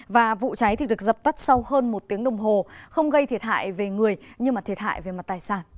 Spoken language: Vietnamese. và vụ cháy được dập tắt sau hơn một tiếng đồng hồ không gây thiệt hại về người nhưng mà thiệt hại về mặt tài sản